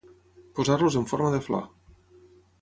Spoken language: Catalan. Posar-los en forma de flor.